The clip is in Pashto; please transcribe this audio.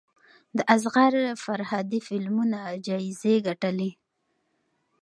د اصغر فرهادي فلمونه جایزې ګټلي.